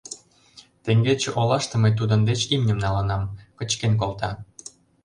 Теҥгече олаште мый тудын деч имньым налынам, кычкен колта...